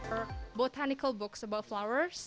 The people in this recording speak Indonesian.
buku botanik tentang bunga